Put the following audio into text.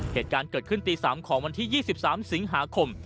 เหตุการณ์เกิดขึ้นตี๓ของวันที่๒๓สิงหาคม